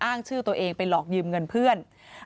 อ้างชื่อตัวเองไปหลอกยืมเงินเพื่อน